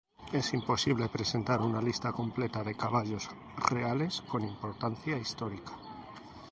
Es imposible presentar una lista completa de caballos reales con importancia histórica.